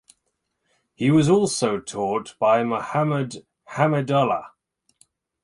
He was also taught by Muhammad Hamidullah.